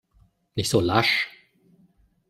Nicht so lasch!